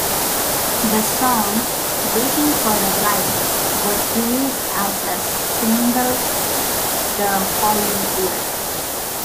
The song "Waiting for a Ride" was released as a single the following year.